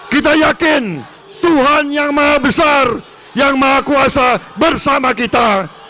kita yakin tuhan yang maha besar yang maha kuasa bersama kita